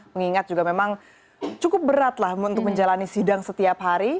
mengingat juga memang cukup berat lah untuk menjalani sidang setiap hari